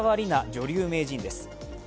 女流名人です。